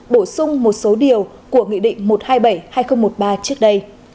bổ sung một số điều của nghị định một trăm hai mươi bảy hai nghìn một mươi ba trước đây